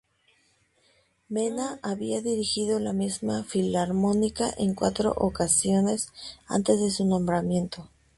Mena había dirigido la misma Filarmónica en cuatro ocasiones antes de su nombramiento.